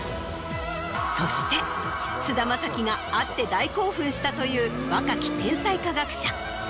そして菅田将暉が会って大興奮したという若き天才化学者。